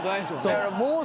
そう。